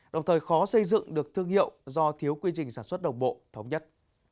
đồng thời khó xây dựng được thương hiệu do thiếu quy trình sản xuất đồng bộ thống nhất